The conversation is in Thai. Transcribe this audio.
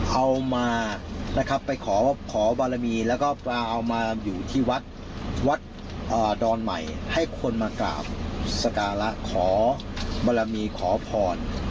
เอามานะครับไปขอบารมีแล้วก็เอามาอยู่ที่วัดวัดดอนใหม่ให้คนมากราบสการะขอบรมีขอพร